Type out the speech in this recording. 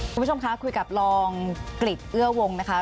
คุณผู้ชมคะคุยกับรองกริจเอื้อวงนะคะ